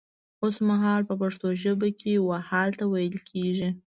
وسمهال په پښتو ژبه کې و حال ته ويل کيږي